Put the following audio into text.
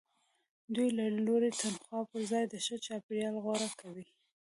دوی د لوړې تنخوا پرځای د ښه چاپیریال غوره کوي